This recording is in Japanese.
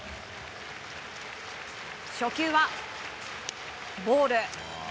初球はボール。